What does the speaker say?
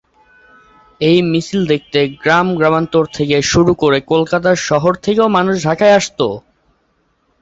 এই মিছিল দেখতে গ্রাম-গ্রামান্তর থেকে শুরু করে কলকাতা শহর থেকেও মানুষ ঢাকায় আসত।